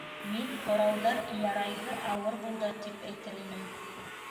Мин, һорауҙар ярайһы ауыр булды; тип, әйтер инем